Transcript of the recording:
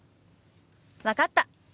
分かった。